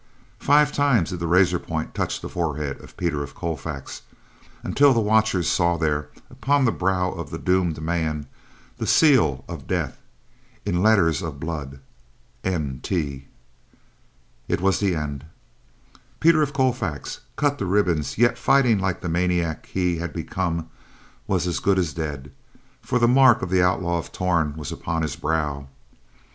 Five times did the razor point touch the forehead of Peter of Colfax, until the watchers saw there, upon the brow of the doomed man, the seal of death, in letters of blood—NT. It was the end. Peter of Colfax, cut to ribbons yet fighting like the maniac he had become, was as good as dead, for the mark of the Outlaw of Torn was upon his brow.